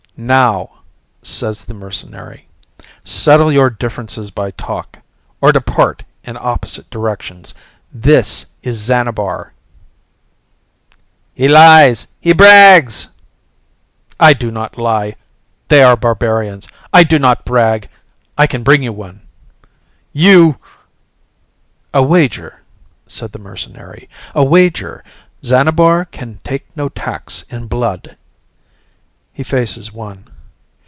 "Now," says the mercenary, "settle your differences by talk. Or depart in opposite directions. This is Xanabar!" "He lies! He brags!" "I do not lie. They are barbarians. I do not brag. I can bring you one." "You " "A wager," said the mercenary. "A wager. Xanabar can take no tax in blood." He faces one.